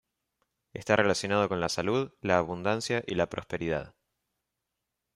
Está relacionado con la salud, la abundancia y la prosperidad.